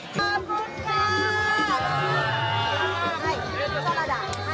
สำคับคุณค่ะ